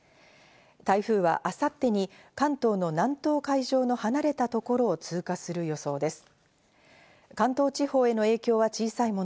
台風は明後日に関東の南東海上の離れたところを通過する予想です。